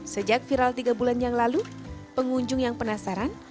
sejak viral tiga bulan yang lalu pengunjung yang penasaran